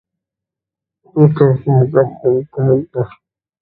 Add shoot के लिए diet करेंगी करीना कपूर!